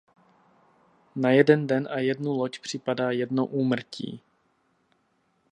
Na jeden den a jednu loď připadá jedno úmrtí.